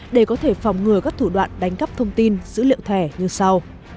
để có thể phòng ngừa các thủ đoạn đánh cắp thông tin dữ liệu thẻ như sau